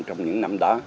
trong những năm đó